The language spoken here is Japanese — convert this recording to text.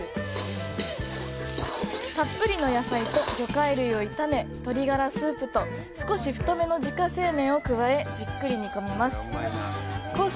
たっぷりの野菜と魚介類を炒め鶏ガラスープと少し太めの自家製麺を加えじっくり煮込みます。